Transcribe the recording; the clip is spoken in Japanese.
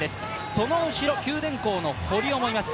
その中に九電工の堀尾もいます。